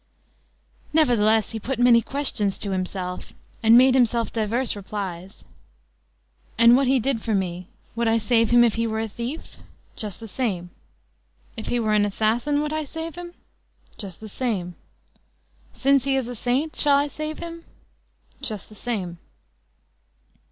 Nevertheless, he put many questions to himself and made himself divers replies: "After what he did for me, would I save him if he were a thief? Just the same. If he were an assassin, would I save him? Just the same. Since he is a saint, shall I save him? Just the same."